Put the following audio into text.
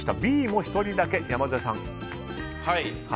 Ｂも１人だけ、山添さん。